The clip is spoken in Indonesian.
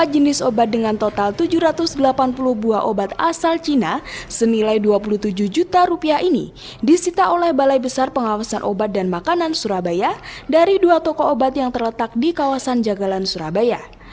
empat jenis obat dengan total tujuh ratus delapan puluh buah obat asal cina senilai dua puluh tujuh juta rupiah ini disita oleh balai besar pengawasan obat dan makanan surabaya dari dua toko obat yang terletak di kawasan jagalan surabaya